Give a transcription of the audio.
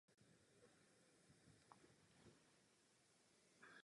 Pro toto politické postavení bude získávat demokratickými prostředky podporu.